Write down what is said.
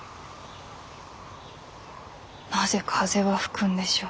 なぜ風は吹くんでしょう。